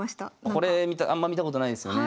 これあんま見たことないですよね。